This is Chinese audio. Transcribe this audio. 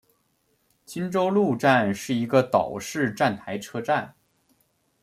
金周路站是一个岛式站台车站。